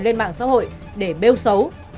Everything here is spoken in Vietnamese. lên mạng xã hội để bêu xấu